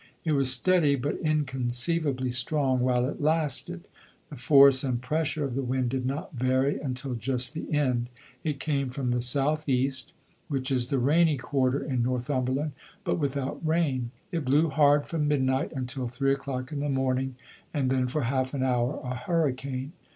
It was steady but inconceivably strong while it lasted; the force and pressure of the wind did not vary until just the end. It came from the south east, which is the rainy quarter in Northumberland, but without rain. It blew hard from midnight, until three o'clock in the morning, and then, for half an hour, a hurricane.